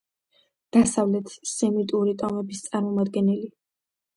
დასავლეთ სემიტური ტომების წარმომადგენელი.